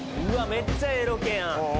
めっちゃええロケやん